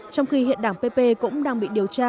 trong khi hiện đảng pp cũng đang bị điều tra